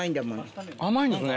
甘いんですね。